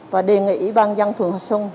và đề nghị ủy ban dân phường hòa xuân